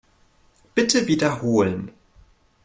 Bitte wiederholen.